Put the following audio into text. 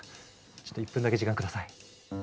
ちょっと１分だけ時間下さい。